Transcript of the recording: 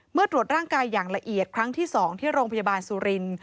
ตรวจร่างกายอย่างละเอียดครั้งที่๒ที่โรงพยาบาลสุรินทร์